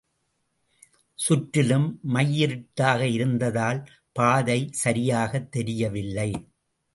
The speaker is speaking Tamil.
சுற்றிலும் மையிருட்டாக இருந்ததால் பாதை சரியாய்த் தெரியவில்லை.